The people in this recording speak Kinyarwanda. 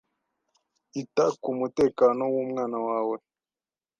Ita ku mutekano w’umwana wawe.